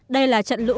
đây là trận lũ